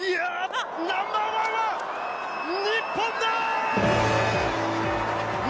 ナンバーワンは日本だ！